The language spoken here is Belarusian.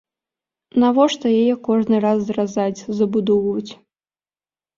Навошта яе кожны раз зразаць, забудоўваць?